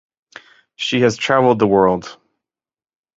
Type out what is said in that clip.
She has travelled the world.